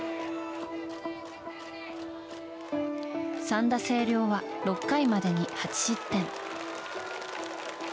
三田西陵は６回までに８失点。